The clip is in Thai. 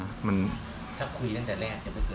ถ้าคุยตั้งแต่แรกจะมันเกิดอะไร